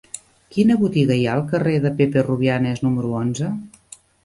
Quina botiga hi ha al carrer de Pepe Rubianes número onze?